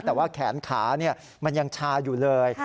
แต่ว่าแขนขามันยังชาอยู่เลย